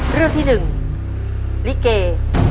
เรื่องที่๑ลิเก